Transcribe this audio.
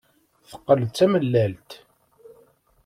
Teqqel d tamellalt.